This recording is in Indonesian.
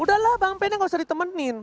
udahlah bang pennya gak usah ditemenin